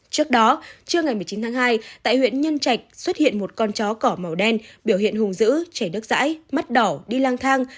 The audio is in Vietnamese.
trước đó trưa ngày một mươi chín tháng hai tại huyện nhân trạch xuất hiện một con chó cỏ màu đen biểu hiện hùng giữ chảy đất dãi mắt đỏ đi lang thang